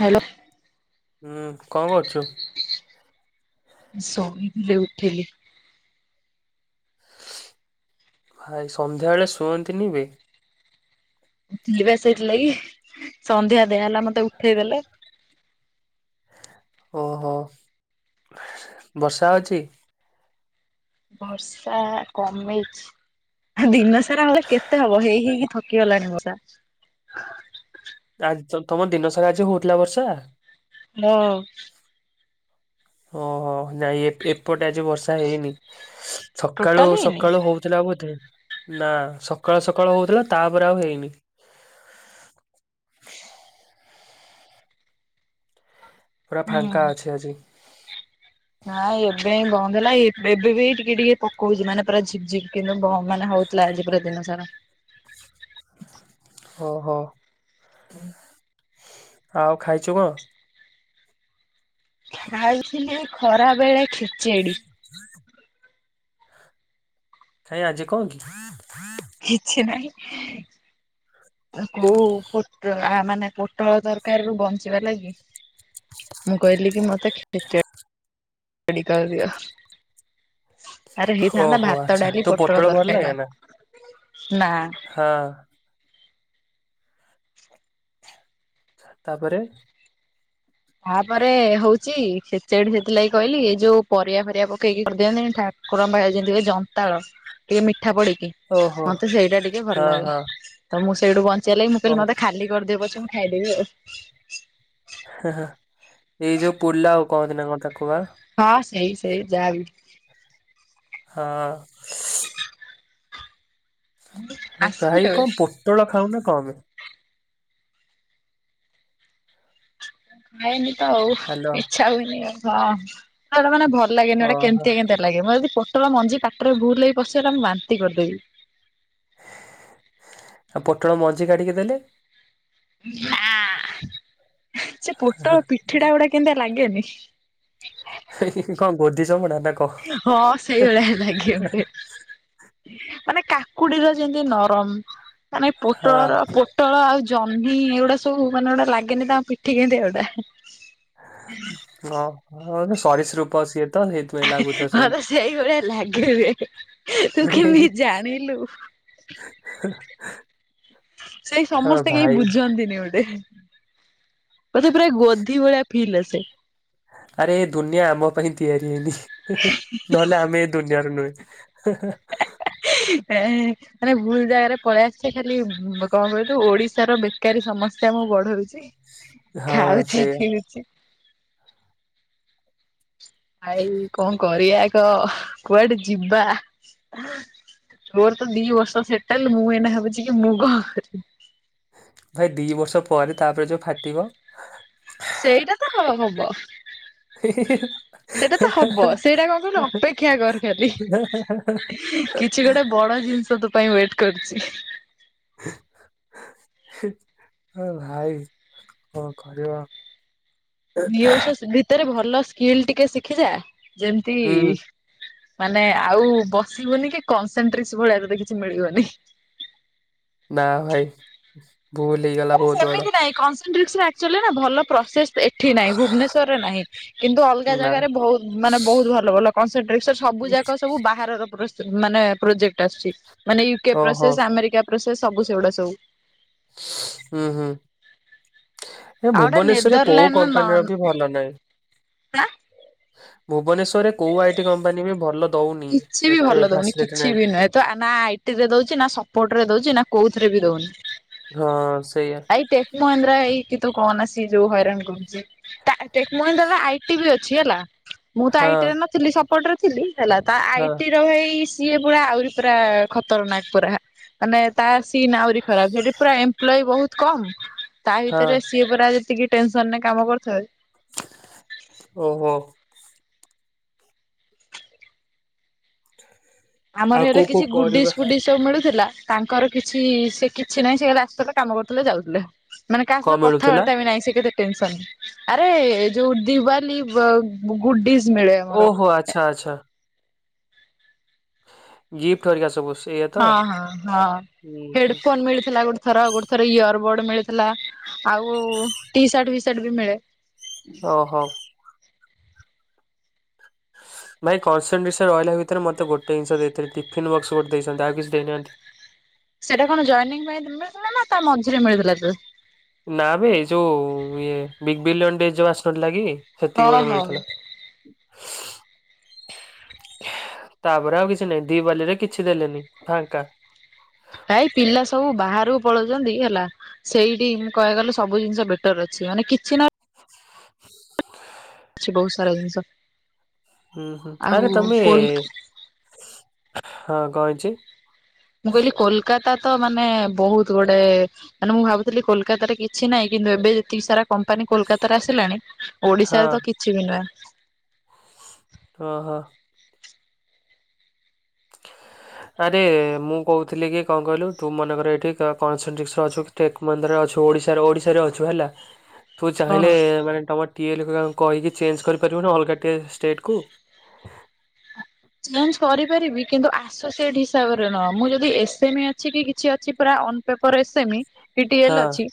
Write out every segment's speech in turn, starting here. Hello ହୁଁ କଣ କରୁଛୁ? ଶୋଇଥିଲି ଉଠିଲି। ଭାଇ ସନ୍ଧ୍ୟାବେେଳେ ଶୁଅନ୍ତିନି ବେ। ଉଠିଲି ପା ସେଇଥିଲାଗି ସନ୍ଧ୍ୟା ଦିଆହେଲା ମୋତେ ଉଠେଇଦେଲେ। ଓହୋ! ବର୍ଷା ଅଛି? ବର୍ଷା କମିଛି। ଦିନ ସାରା ହେଲେ କେତେ ହବ ହେଇ ହେଇକି ଥକି ଗଲାଣି ବର୍ଷା। ଆଜ ତୋମ ଦିନସାରା ଆଜି ହଉଥିଲା ବର୍ଷା? ହଁ। ଓହୋ! ନାଇଁ ଏପ୍ ଏପଟେ ଆଜି ବର୍ଷା ହେଇନି। ସକାଳୁ ଟୋଟାଲ ହେଇନି ସକାଳୁ ହଉଥିଲା ବୋଧେ। ନା ସକାଳୁ ସକାଳୁ ହଉଥିଲା, ତାପରେ ଆଉ ହେଇନି। ପୁରା ଫାଙ୍କା ଅଛି ଆଜି। ନା ଏବେ ହିଁ ବନ୍ଦ ହେଲା ଏ ଏବେ ବି ଟିକେ ଟିକେ ପକଉଚୁ ମାନେ ପୁରା ଝିପ୍ ଝିପ୍ କିନ୍ତୁ ବ ମାନେ ହଉ ଥିଲା ଆଜି ପୁରା ଦିନ ସାରା। ଓହୋ, ଆଉ ଖାଇଛୁ କଣ? ଖାଇଥିଲି ଏ ଖରା ବେଳେ ଖେ କାଇଁ ଆଜି କଣ କି? କିଛି ନାହିଁ। ତାକୁ ପୋଟ ଆ, ମାନେ ପୋଟଳ ତରକାରୀରୁ ବଞ୍ଚିବା ଲାଗି ମୁଁ କହିଲି କି ମୋତେ ଟିକେ ଡି କରଦିଅ। ଆରେ ହେଇଥାନ୍ତା ଓହୋ ଭାତ, ଆଚ୍ଛା ଡାଲି, ତୁ ପୋଟଳ ଭଲ ତରକାରୀ ଲାଗେ ବା ନା? ନା। ହଁ। ତାପରେ? ତାପରେ ହଉଚି ଖେଚେଡ଼ି ସେଥିଲାଗି କହିଲି ଯୋଉ ପରିବା ଫରିବା ପକେଇକି କରିଦିଅନ୍ତିନି ଠା ଠାକୁରଙ୍କ ଆ ଯେମିତି ହୁଏ ଜନ୍ତାଳ ଟିକେ ମିଠା ପଡ଼ିକି। ଓହୋ ମତେ ସେଇଟା ଟିକେ ଭଲ ହଁ ହଁ ଲାଗେ। ତ ମୁଁ ସେଇଠୁ ବଞ୍ଚିବା ଲାଗି ମୁଁ ଓ କହିଲି ମତେ ଖାଲି କରିଦିଅ ପଛେ ମୁଁ ଖାଇଦେବି ଆଉ। ହା ହା ଏଇ ଯୋଉ ପୁଲାଓ ଆଉ କହନ୍ତି ନା କଣ ତାକୁ ବା? ହଁ ସେଇ ସେଇ ଯାହା ବିି। ହଁ। ଆସିବୁ କାଇଁ କେବେ କଣ ପୋଟଳ ଖାଉନ କଣ ପାଇଁ? ଖାଏନି ତ ଆଉ ହାଲୋ ଇଚ୍ଛା ହୁଏନି ଆଉ ହଁ ପୋଟଳ ଟା ମାନେ ଭଲ ଲାଗେନି ଗୋଟେ ଓହୋ କେମିତିଆ କେମିତିଆ ଲାଗେ। ମୋର ଯଦି ପୋଟଳ ମଞ୍ଜିା ପାଟିରେ ଭୁଲ ରେ ବି ପଶିଗଲା ମୁଁ ବାନ୍ତି କରିଦେବି। ଆଉ ପୋଟଳ ମଝି କାଢ଼ିକି ଦେଲେ? ନାଁ ସେ ପୋଟଳ ପିଠିଟା ଗୋଟେ କେମିତାଆ ଲାଗେନି? ହି ହି କଣ ଗୋଧି ଚମଡ଼ା ନା କଣ? ହଁ ସେଇଭଳିଆ ଲାଗେ ଗୋଟେ। ମାନେ କାକୁଡିର ଯେମତି ନରମ। ମାନେ ହଁ ପୋଟଳର ପୋ ପୋଟଳ ଆଉ ଜହ୍ନି ଏଗୁଡା ସବୁ ମାନେ ଗୋଟେ ଲାଗେନି ତାଙ୍କ ପିଠି କେମିତି କା ଗୋଟା। ଗ ହ ସରୀସୃପ ସିଏ ତ ସେଇଥି ମୋତେ ସେଇ ଭଳିଆ ଲାଗେ ବେ ତୁ କେମିତି ଜାଣିଲୁ? ହା ହା। ସେଇ ସମସ୍ତେ କେଇ ଭାଇ ବୁଝନ୍ତିନି ଗୋଟେ। ମତେ ପୁରା ଗୋଧି ଭଳିଆ ଫିଲ ଆସେ। ଆରେ ଏ ଦୁନିଆ ଆମ ପାଇଁ ତିଆରି ହେଇନି। ନହେଲେ ଆମେ ଏ ଦୁନିଆର ନୁହେଁ। ହେ ହେ। ଏ। ମାନେ ଭୁଲ ଜାଗାରେ ପଳେଇ ଆସିଚେ ଖାଲି ବ କଣ କହିଲୁ ଓଡିଶାର ବେକାରୀ ସମ ସ୍ୟା ମୁଁ ବଢଉଚି, ହଁ ଖାଉଚି ସେଇଆ ପିଉଚି। ଭାଇ କଣ କରିବା କହ, କୁଆଡେ ଯିବା? ମୋର ତ ଦି ବର୍ଷ ସେଟେଲ୍ ମୁଁ ଏଇନା ଭାବୁଚି କି ମୁଁ କଣ କରିବି। ଭାଇ ଦି ବର୍ଷ ପରେ ତା ପରେ ଯୋଉ ଫାଟିବ। ସେଇଟା ତ ହ-ହବ। ସେଟା ତ ହବ ସେଇଟା କଣ କହିଲୁ ଅପେକ୍ଷା କର ଖାଲି। କିଛି ଗୋଟେ ବଡ ଜିନିଷ ତୋ ପାଇଁ ୱେଟ୍ କରିଚି। ହି ଓ ଭାଇ କଣ କରିବ? ଦି ବର୍ଷ ଭିତରେ ଭଲ ସ୍କିଲ୍ ଟିକେ ଶିଖିଯା ଯେମତି ହୁଁ ମାନେ ଆଉ ବସିବୁନି କି କନ୍ସେଟ୍ରେନ୍ସ ଭଳିଆ ତତେ କିଛି ମିଳିବନି। ନା ଭାଇ ଭୁଲ୍ ହେଇଗଲା। ନାଇଁ ବହୁତ ବଡ ସେମିତି ନାଇଁ କନ୍ସେଟ୍ରେନ୍ସ୍ ରେ ଆକ୍ଚ୍ୟାଲି ନାଁ ଭଲ ପ୍ରୋସେଶ୍ ଏଠୀ ନାହିଁ ଭୁବନେଶ୍ୱର ରେ ନାହିଁ। କିନ୍ତୁ ଅଲଗା ନା ଜାଗାରେ ବୋହୁତ୍ ମାନେ ବୋହୁତ୍ ଭଲ ଭଲ କନ୍ସେଟ୍ରେନ୍ସ ସବୁ ଯାକ ସବୁ ବାହାରର ପ୍ର ମାନେ ପ୍ରୋଜେକ୍ଟ ଆସୁଛି ମାନେ ୟୁ କେ ଓହୋ। ପ୍ରୋସେଶ୍ ଆମେରିକା ପ୍ରୋସେଶ୍ ସବୁ ସେଗୁଡ଼ା ସବୁ। ଉଁହୁଁ। ଏ ଆଉ ଗୋଟେ ଭୁବନେଶ୍ଵରେ କୋଉ ନେଦରଲ୍ୟାଣ୍ଡ ନ କମ୍ପାନୀ ର ବି ଭଲ ନାଇଁ। ନା ଭୁବନେଶ୍ଵରେ କୋଉ ଆଇ ଟି କମ୍ପାନୀ ବି ଭଲ ଦଉନି କିଛି ବି ଏତେ ଭଲ ଦଉନି ଫାସିଲିଟି କିଛି ନାହିଁ। ବି ନୁହେଁ ତ ନା ଆଇ ଟି ରେ ଦଉଚି ନା ସପୋର୍ଟ ରେ ଦଉଚି ନା କୋଉଥିରେ ବି ଦଉନି। ହଁ ସେଇଆ। ଭାଇ ଟେକ୍ ମହେନ୍ଦ୍ରା ଏଇ କି ତୁ କହନା ସିଏ ଯୋଉ ହଇରାଣ କରୁଚି। ଟା ଟେକ୍ ମହେନ୍ଦ୍ରା ର ଆଇ ଟି ବି ଅଛି ହେଲା। ମୁଁ ତ ହଁ ଆଇ ଟି ରେ ନଥିଲି ସପୋର୍ଟ ରେ ଥିଲି ହେଲା। ତା ଆଇ ହଁ ଟି ର ହେଇଶ୍ ସିଏ ପୁରା ଆହୁରି ପୁରା ଖତର୍ ନାକ୍ ପୁରା ମାନେ ତାଶ୍ ଟିମ୍ ଆହୁରି ଖରାପ୍ ସେଠି ପୁରା ଏମ୍ପ୍ଲୋଇ ବହୁତ୍ କମ୍ ତା ହଁ ଭିତରେ ସିଏ ପୁରା ଯେତିକି ଟେନସନ୍ ରେ କାମ କରୁଥାଏ। ଓ ହୋ। ଆଉ ଆମର ହେଲେ କୋଉ କୋଉ କିଛି ଗୁଡିସ୍ ପରିବା ଫୁଡିସ୍ ସବୁ ମିଳୁଥିଲା। ତାଙ୍କର କିଛି ସେ କିଛି ନାହିଁ ସେ ଖାଲି ଆସୁଥିଲେ କାମ କରୁଥିଲେ ଯାଉଥିଲେ। ମାନେ କାହା କଣ ସହ କଥା ମିଳୁଥିଲା ବାର୍ତ୍ତା ବି ନାହିଁ ସେ କେତେ ଟେନ୍ସନ୍। ଆରେ ଯୋଉ ଡିୱାଲି ବ- ଗୁଡ଼ିସ୍ ମିଳେ ଆମର। ଓ ଆଚ୍ଛା ଆଚ୍ଛା। ଗିଫ୍ଟ ହାରିଆ ସବୁ ସେଇଆ ତ ହଁ ହଁ ହଁ, ହୁଁ ହେଡ୍ ହୁଁ ଫୋନ୍ ମିଳିଥିଲା ଗୋଟେ ଥର। ଗୋଟେ ଥରେ ଇୟର୍ ବୋର୍ଡ ମିଳିଥିଲା। ଆଉ ଟି ସାର୍ଟ ବି ସେଟ୍ ମିଳେ। ଓ ହୋ। ଭାଇ କନସେଟ୍ରେସନ ରହିଲା ଭିତରେ ମତେ ଗୋଟେ ଜିନିଷ ଦେଇଥିଲେ। ଟିଫିନ୍ ବକ୍ସ ଗୋଟେ ଦେଇଛନ୍ତି। ଆଉ କିଛି ଦେଇ ନାହାନ୍ତି। ସେଇଟା କଣ ଜଏନିଂ ପାଇଁ ମିଳିଥିଲା? ନା ତା ମଝିରେ ମିଳିଥିଲା ଡ୍ରେସ୍? ନା ବେ ଏଇ ଯୋଉ ଇଏ ବିଗ୍ ବିଲିଅନ୍ ଡେ ଯୋଉ ଆସି ନଥିଲାକି ସେତିକ ହଁ ବେଳେ ହଁ। ମିଳିଥିଲା। [inaudible] ତାପରେ ଆଉ କିଛି ନାହିଁ। ଦି ବାଲି ରେ କିଛି ଦେଲେନି ଫାଙ୍କା। ଭାଇ ପିଲା ସବୁ ବାହାରକୁ ପଳଉଛନ୍ତି ହେଲା। ସେଇଠି ମୁଁ କହିବାକୁ ଗଲେ ସବୁ ଜିନିଷ ବେଟର୍ ଅଛି। ମାନେ କିଛି ନ ଅଛି ବହୁତ ସାରା ଜିନିଷ ହୁଁ ହୁଁ। ଆଉ ଆରେ ତମେ, କୋଲ ହଁ କଣ ହେଇଛି? ମୁଁ କହିଲି କୋଲକାତା ତ ମାନେ ବହୁତ୍ ଗୁଡେ ମାନେ ମୁଁ ଭାବୁଥିଲି କୋଲକାତାରେ କିଛି ନାହିଁ। କିନ୍ତୁ ଏବେ ଯେତିକି ସାରା କମ୍ପାନୀ କୋଲକାତାରେ ଆସିଲାଣି ହଁ ଓଡିଶାରେ ତ କିଛି ବି ନୁହେଁ। ଓ ହୋ। ଆରେ ମୁଁ କହୁଥିଲି କି କଣ କହିଲୁ ତୁ ମନେ କର୍ ଏଠୀ କା -କନ୍ସେଣ୍ଟେନ୍ସ ରେ ଅଛୁ ଟେକ୍ ମହିନ୍ଦ୍ରା ରେ ଅଛୁ ଓଡିଶାର, ଓଡିଶାରେ ଅଛୁ ହେଲା ତୁ ହଁ ଚାହିଁଲେ ମାନେ ତମ ଟିଏଲ୍ ଖୁରାଙ୍କୁ କହିକି ଚେଞ୍ଜ କରି ପାରିବୁନା ଆଲଗା ଟିଏଲ୍, ଷ୍ଟେଟ୍ କୁ? ଚେଞ୍ଜ କରିପାରିବି କିନ୍ତୁ ଆସୁସିଏଟ ହି ହିସାବରେ ନହ। ମୁଁ ଯଦି ଏସେମି ଅଛି କି କିଛି ଅଛି ପୁରା on paper ଏସେମି T T L ହଁ ଅଛି।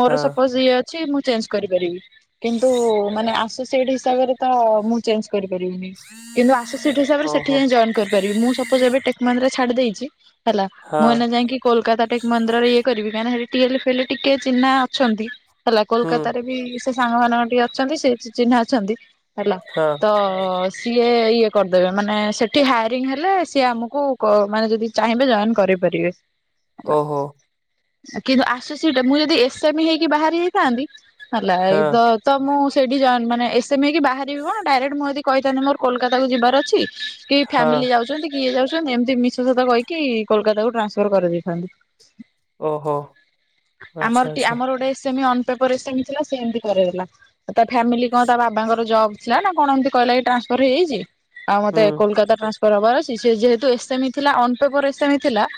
ମୋର ହଁ ସପୋଜ ଇଏ ଅଛି। ମୁଁ ଚେଞ୍ଜ କରିପାରିବି। କିନ୍ତୁ ମାନେ ଆସୋସିଏଟ ହିସାବରେ ତ ମୁଁ ଚେଞ୍ଜ କରିପାରିବିନି। କିନ୍ତୁ ଆସୋସିଏଟ ହିସାବରେ ସେଠି ଓହୋ ଯାଇଁ ଜଏନ କରିପାରିବି। ମୁଁ ସପଜ୍ ଟେକ୍ ମହିନ୍ଦ୍ରା ଛାଡି ଦେଇଛି ହେଲା। ହଁ ମୁଁ ଏନା ଯାଇକି କୋଲକାତା ଟେକ୍ ମହିନ୍ଦ୍ରା ରେ ଇଏ କରିବି। କାହିଁକିନା କିନା ସେଠି ଟିଏଲ୍, ଫିଏଲ୍ ଟିକେ ଚିହ୍ନା ଅଛନ୍ତି। ହେଲା ହୁଁ କୋଲକାତାରେ ବି ସେ ସାଙ୍ଗମାନାନଙ୍କ ଟିକେ ଅଛନ୍ତି ସେ ଚିହ୍ନା ଅଛନ୍ତି ହେଲା। ହଁ। ତ ସିଏ ଇଏ କରିଦେବେ। ମାନେ ସେଠି ହାଇାରିଂ ହେଲେ ସିଏ ଆମକୁ ମାନେ ଯଦି ଚାହିଁବେ ଜଏନ୍ କରିପାରିବେ। ଓହୋ। କିନ୍ତୁ ଆସୋସିଏଟ୍, ମୁଁ ଯଦି ଏସ୍ ସେମି ହେଇକି ବାହାରି ଯାଇଥାନ୍ତି, ହେଲା ହଁ ଏଇତ ତ ମୁଁ ସେଇଠି ଜଏନ୍ ମାନେ ଏସ୍ ସେମି ହେଇକି ବାହାରିବି କଣ? ଡାଇରେକ୍ଟ ମୁ ଯଦି କହିଥାନ୍ତି ମୋର କୋଲକାତା ତାକୁ ଯିବାର ଅଛି, କି ହଁ ଫ୍ୟାମିଲି ଯାଉଛନ୍ତି କି ଇଏ ଯାଉଛନ୍ତି, ଏମତି ମିଛ ସତ କହିକି କୋଲକାତା କୁ ଟ୍ରାନ୍ସଫର କରିଦେଇଥାନ୍ତି। ଓହୋ ଆଚ୍ଛା ଆମର ଟି, ଆଚ୍ଛା ଆମର ଗୋଟେ ଏ semi, on paper as semi ଥିଲା ସେ ଏମିତି କରେଇଦେଲା। ତା ଫାମିଲି କଣ ତା ବାବାଙ୍କର ଜବ ଥିଲା ନା କଣ ଏମିତି କହିଲା କି ଟ୍ରାସଫର ହେଇଯାଇଛି? ଆଉ ମତେ ହୁଁ କୋଲକାତା ଟ୍ରାନ୍ସଫର୍ ହବାର ଅଛି। ସେ ଯେହେତୁ ଏସ୍ ସେମି ଥିଲା ଅନ୍ ପେପର ଏସ୍ ସେମି ଥିଲା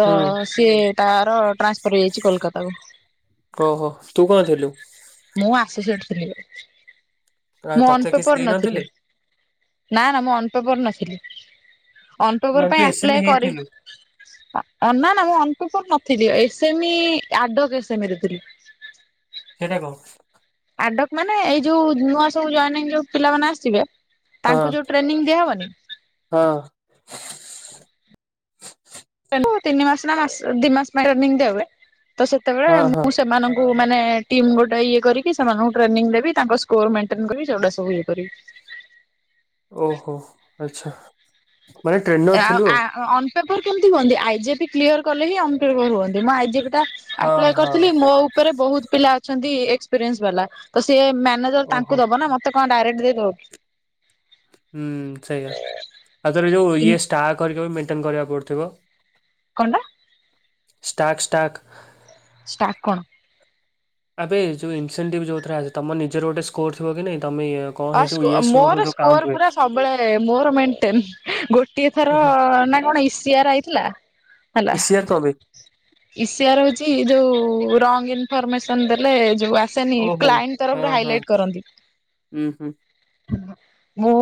ତ ହୁଁ ସିଏ ତାର ଟ୍ରାନ୍ସଫର ହେଇଯାଇଛି କୋଲକାତା କୁ। କହ ତୁ କଣ ଥିଲୁ? ମୁଁ ଆସୋସିଏଟ ଥିଲି। ଆଉ ମୁଁ ତତେ କିଛି ଅନପେପର ଦେଇନଥିଲେ ନଥିଲି। ନା ନା ମୁଁ ଅନପେପର ନଥିଲି ମାନେ ଅନପେପର ତୁ ପାଇଁ ଏସ୍ ଏମ ଆପ୍ଲା କରି ହେଇଥିଲୁ ଅ ନା ନା ମୁଁ ଅସ୍ପେ ନଥିଲି ଏସେମି ଆଡ ଡେସେମିରେ ଥିଲି। ସେଇଟା କଣ। ଆଡକ ମାନେ ଏଇ ଯୋଉ ନୂଆ ସବୁ ଜନି ଯୋଉ ପିଲାମାନେ ଆସିବେ ହଁ ତାଙ୍କୁ ଯୋଉ ଟ୍ରେନଙ୍ଗି ଦିଆ ହବନି। ହଁ। ତିନି ମାସ ନା ମାସ ଦି ମାସ ପାଇଁନି ଟ୍ରେନିଙ୍ଗୀ ଦିଅହୁଏ ତ ସେତବେଳେ ହଁ ହଁ ମୁଁ ସେମାନଙ୍କୁ ମାନେ ଟିମ୍ ଗୋଟେ ଇଏ କରିକି ସେମାନଙ୍କୁ ଟ୍ରେନିଙ୍ଗୀ ଦେବି ତାଙ୍କ ସ୍କୋର ମେଣ୍ଟେନ ସେଗୁା ସବୁ ଇଏ କରିବି। ଓହୋ ଆଚଛା ମାନେ ଟ୍ରେନର ଥିଲୁ ଆ ଆଉ। ଅନ୍ ପେପର କେମିତି ହୁଅନ୍ତି ଆଇଜେପି କ୍ଲିୟର କଲେ ହଁ ଅ ହୁଅନ୍ତି ମୁଁ ଆଇଜେପି ଟା ହଁ ଆପ୍ଲାଏ ହଁ କରିଥିଲି ମୋ ରେ ବହୁତ ପିଲା ଅଛନ୍ତି ଏକ୍ସପିରିଏନ୍ସ ବାଲା ତ ସି ମ୍ୟାନେଜର ଓହୋ ତାଙ୍କୁ ଦବ ନା ମତେ ତ କଣ ଡାଇରେକ୍ଟ ଦେଇ ଦେବଉ କି। ହୁଁ ସେଇଆ ଆଉଥର ଯୋଉ କି ଇଏ ଷ୍ଟା କରିକ ମେଣ୍ଟେନ କରିବାକୁ ପଡୁଥିବ। କଣ୍ଟା। Stack stack. ଷ୍ଟା କଣ। ଏବେ ଯୋଉ ଇନସେଣ୍ଟିଭ୍ ଯଉଥିରେ ତମର ନିଜର ଗୋଟେ ସ୍କୋର ଥିବକି ନାଇଁ ତମେ କଣ ଆ ହେଇ ଯୋଉ ଇଏସ୍ ନୋ ର ମୋର ଯୋଉ କାଉଣ୍ଟ ସ୍କୋର ହୁଏ ପୁରା ସବୁବେଳେ ମୋର ମେଣ୍ଟେନ। ଗୋଟିଏ ଥର ନା କଣ ଏଇସିଆର ଆଇଥିଲା। ହେଲା ଇସିିଆର କଣପାଇଁ। ଇସିଆର ହଉଛି ଯୋଉ ରଙ୍ଗ ଇନଫର୍ମେସନ ଦେଲେ ଯୋଉ ଆ ସେନି ଓହୋ କ୍ଲାଇଣ୍ଟି ହଁ ତରଫରୁ ହଁ ହାଇଲାଇଟ କରନ୍ତି। ଉଁ ହୁଁ ମୁଁ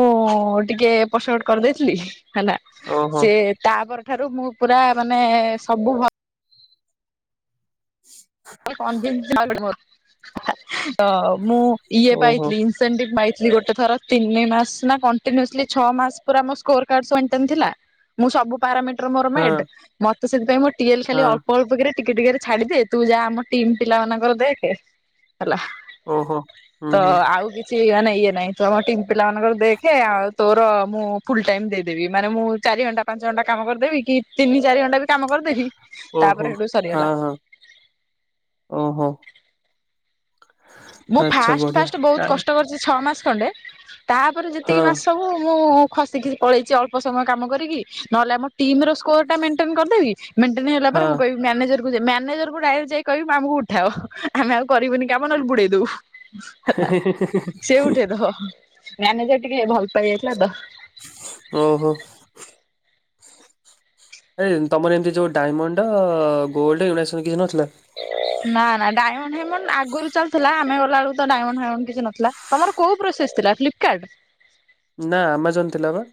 ଟିକେ ଏପଟ ସେପଟ କରିଦେଇଥିଲି ହେଲା ଓହୋ ସେ ତାପ ପର ଠାରୁ ମୁଁ ପୁରା ମାନେ ସବୁ ଭଲ। ହୁଁ [inaudible] ତ ମୁଁ ଇଏ ଓହୋ ପାଇଥିଲି। ସେଣ୍ଡିଙ୍ଗ ମାଇଟ ଗୋଟେ ଥାର ତିନିମାସ ନା କଣ୍ଟିନ୍ୟଲି ଛ ମାସ ପୁରା ମୋ ସ୍କୋର କାର୍ଡ ଶୋଣ୍ଟେନ ଥିଲା। ମୁଁ ସବୁ ପାରାମେଣ୍ଟ ମୋର ହଁ ମେଟ ମତେ ସେଥିପାଇଁ ଟିଏଲ ଖାଲି ହଁ ଅଳ୍ପ ଅଳ୍ପ କରି ଟିକେ ଟିକେରେ ଛାଡି ଦିଏ ତୁ ଯା ମୋ ଟିମ୍ ପିଲା ମାନଙ୍କର ଦେଖେ ହେଲା ଓହୋ ହୁଁ ତ ହୁଁ ଆଉ କି କିଛି ମାନେ ଇଏ ନାଇଁ ତୁ ଆମ ଟିମ୍ ପିଲା ମାନଙ୍କର ଦେଖେ ଆଉ ତୋର ମୁଁ ଫୁଲ ଟାଇମ ଦେଇଦେବି ମାନେ ମୁଁ ଚାରି ଘଣ୍ଟା ପାଞ୍ଚ ଘଣ୍ଟା କାମ କରିଦେବି କି ତିନି ଚାରି ଘଣ୍ଟା ବି କାମ କରିଦେବି ଓହୋ ତାପରେ ହେଠୁ ହଁ ସରିଗଲା ହଁ ଓହୋ। ମୁଁ ଆଚ୍ଛା ଫାଷ୍ଟ ବଢିଆ। ଫାଷ୍ଟ ବହୁତ କଷ୍ଟ କରି ଛଅ ମାସ ଖଣ୍ଡେ ତାପରେ ଯେତିକି ହଁ ମାସ ମୁଁ ମୁଁ ଖସିକି ଜି ପଳେଇଛି ଅଳ୍ପ ସମୟ କାମ କରିକି ନହେଲେ ଆମ ଟିମ ର ସ୍କୋର ଟା ମେଣ୍ଟେନ କରିଦେବି ମେଣ୍ଟେନ ହେଲା ହଁ ପରେ ମୁଁ କହିବି ମ୍ୟାନେଜରକୁ ଯା ମ୍ୟାନେଜରକୁ ଡାଇରେକ୍ ଯାଇ କହିବି ମ୍ୟମ ଆମକୁ ଉଠାଅ ଆମେ ଆଉ କରିବୁନି କାମ ନହେଲେ ବୁଡେଇ ଦବୁ। ହେଲା ସେ ଉଠେଇ ଦବ ମ୍ୟାନେଜର ଟିକେ ଭଲ ପାଇ ଯାଇଥିଲା ତ। ଓହୋ। ଏଇ ତମର ଏମିତି ଯୋଉ ଡାଇମଣ୍ଡ, ଗୋଲ୍ଡ ଏଗୁରା ସବୁ କିଛି ନଥିଲା? ନା ନା ଡାଇମଣ୍ଡ ଫାଇମଣ୍ଡ ଆଗରୁ ଚାଲିଥିଲା ଆମେ ଗଲାବେଳକୁ ତ ଡାଇମଣ୍ଡ ଫାଇମଣ୍ଡ କିଛି ନଥିଲା। ତମର କୋଉ ପ୍ରୋସେସ ଥିଲା ଫ୍ଲିପକାର୍ଡ। ନା ଆମାଜନ ଥିଲା ବା।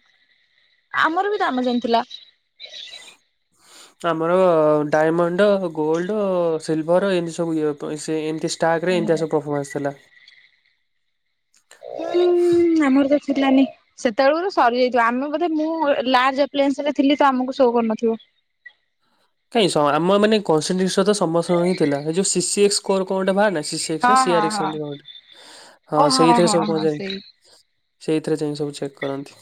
ଆମର ବି ତ ଆମାଜନ ଥିଲା। ଆମର ଡାଇମଣ୍ଡ, ଗୋଲ୍ଡ, ସିଲଭର ଏନତି ସବୁ [inaudible] ସେ ଏମତି ଷ୍ଟାଗରେ ଏମତିଆ ସବୁ ପ୍ରଫମାନ୍ସ ଥିଲା। ଉଁ ଉଁ ଆମର ତ ଥିଲାନି। ସେତେବେଳ ରୁ ସରିଯାଇଥିବ ଆମେ ବୋଧେ ମୁଁ ଲାର୍ଜପ୍ଲେନ୍ସ ରେ ଥିଲି ତ ଆମକୁ ସୋ କରୁନଥିବ। କାଇଁ ସ ଆମ ମାନେ କନ୍ସିଷ୍ଟନ ତ ସମସ୍ତଙ୍କ ହିଁ ଥିଲା ଯୋଉ ସିସିଏକ୍ସ ସ୍କୋର କଁଟା ବାହାରି ନାଇ ସିସିଏକ୍ସ ହଁ ନା ହଁ ସିଆରାଏକ୍ସ ହଁ ଏମତି କଣ ଗୋଟେ ହଁ ଓ ସେଇଥିରେ ହଁ ସବୁ ହଁ କୁହାଯାଏ। ସେଇ ସେଇଥିରେ ଯାଇଁକି ସବୁ ଚେକ୍ କରନ୍ତି।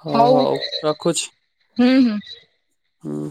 ହଁ ହଉ ରଖୁଛି, ହୁଁ ହୁଁ ହୁଁ